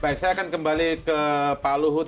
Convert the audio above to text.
baik saya akan kembali ke pak luhut